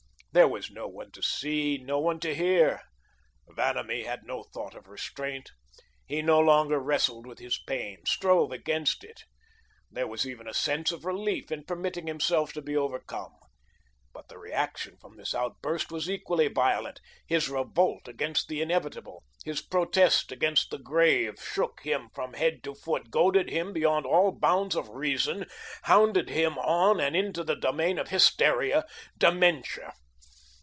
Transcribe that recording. There was no one to see, no one to hear. Vanamee had no thought of restraint. He no longer wrestled with his pain strove against it. There was even a sense of relief in permitting himself to be overcome. But the reaction from this outburst was equally violent. His revolt against the inevitable, his protest against the grave, shook him from head to foot, goaded him beyond all bounds of reason, hounded him on and into the domain of hysteria, dementia.